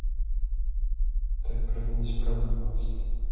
To je první nespravedlnost.